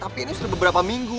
tapi ini sudah beberapa minggu